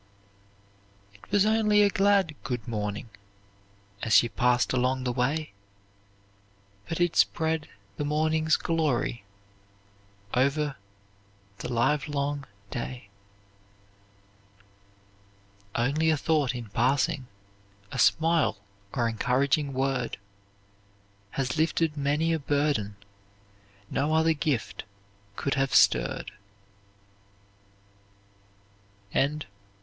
"It was only a glad 'good morning,' As she passed along the way, But it spread the morning's glory Over the livelong day." "Only a thought in passing a smile, or encouraging word, Has lifted many a burden no other gift could have stirred."